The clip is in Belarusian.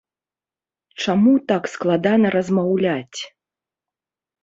Чаму так складана размаўляць?